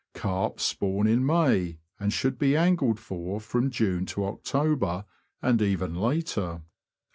! Carp spawn in May, and should be angled for from June to October, and even later.